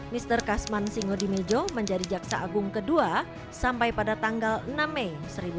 mr kasman singodimejo menjadi jaksa agung kedua sampai pada tanggal enam mei seribu sembilan ratus enam puluh